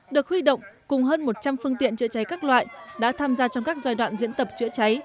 được huy động cùng hơn một trăm linh phương tiện chữa cháy các loại đã tham gia trong các giai đoạn diễn tập chữa cháy